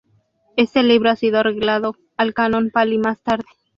Este libro ha sido agregado al Canon Pali más tarde.